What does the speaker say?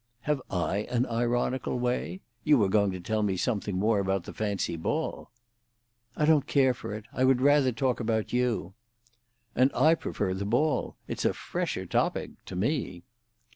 "Have I an ironical way? You were going to tell me something more about the fancy ball." "I don't care for it. I would rather talk about you." "And I prefer the ball. It's a fresher topic—to me."